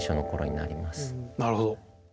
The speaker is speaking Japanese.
なるほど。